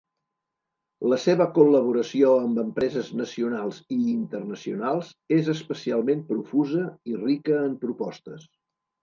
La seva col·laboració amb empreses nacionals i internacionals és especialment profusa i rica en propostes.